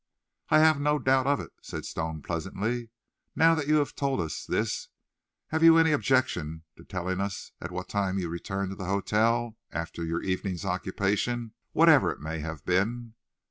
"I have no doubt of it," said Stone pleasantly. "Now that you have told us this, have you any objection to telling us at what time you returned to the hotel, after your evening's occupation, whatever it may have been?"